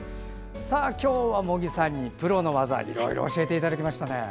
今日は茂木さんにプロの技いろいろ教わりましたね。